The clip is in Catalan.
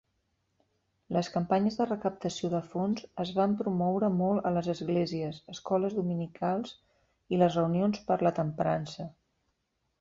Les campanyes de recaptació de fons es van promoure molt a les esglésies, escoles dominicals i les reunions per la temprança.